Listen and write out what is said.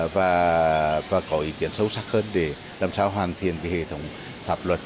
và có ý kiến sâu sắc hơn để làm sao hoàn thiện hệ thống pháp luật